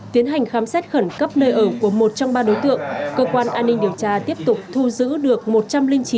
tiến hành khám xét khẩn cấp nơi ở của một trong ba đối tượng cơ quan an ninh điều tra tiếp tục thu giữ được